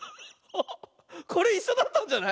これいっしょだったんじゃない？